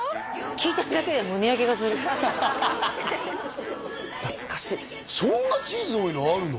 聞いてるだけで胸焼けがする懐かしいそんなチーズ多いのあるの？